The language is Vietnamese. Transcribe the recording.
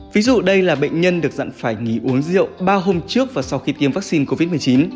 ví dụ đây là bệnh nhân được dặn phải nghỉ uống rượu ba hôm trước và sau khi tiêm vaccine covid một mươi chín